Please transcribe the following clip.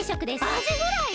アジフライ！？